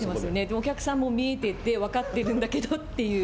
お客さんも見えてて分かってるんだけどという。